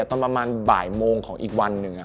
ตอนประมาณบ่ายโมงของอีกวันหนึ่ง